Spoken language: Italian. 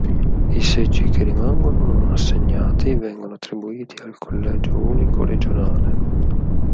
I seggi che rimangono non assegnati vengono attribuiti al Collegio unico regionale.